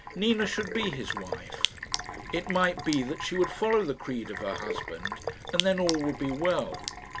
Nina should be his wife. It might be that she would follow the creed of her husband, and then all would be well.